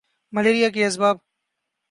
malaria کے اسباب